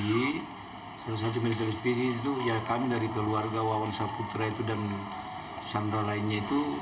salah satu militer spesifik itu ya kami dari keluarga wawan saputra itu dan sandera lainnya itu